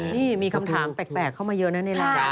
นี่มีคำถามแปลกเข้ามาเยอะนะในรายการ